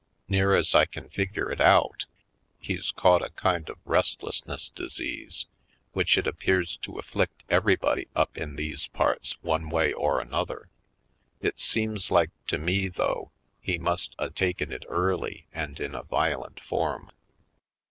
Near as I can figure it out, he's caught a kind of restlessness dis ease which it appears to afflict everybody up in these parts, one way or another. It seems like to me, though, he must a taken it early and in a violent form.